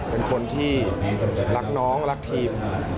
เป็นคนที่รักน้องรักทีม